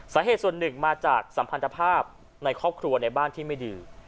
สาเหตุส่วนหนึ่งมาจากสัมพันธภาพในครอบครัวในบ้านที่ไม่ดี